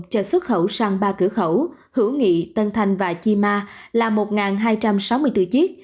cho xuất khẩu sang ba cửa khẩu hữu nghị tân thành và chi ma là một hai trăm sáu mươi bốn chiếc